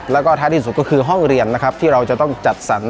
แล้วก็ท้ายที่สุดก็คือห้องเรียนนะครับที่เราจะต้องจัดสรร